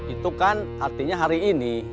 itu kan artinya hari ini